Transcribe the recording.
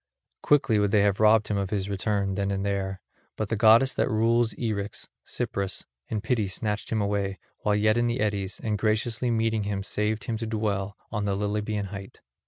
Quickly would they have robbed him of his return then and there, but the goddess that rules Eryx, Cypris, in pity snatched him away, while yet in the eddies, and graciously meeting him saved him to dwell on the Lilybean height.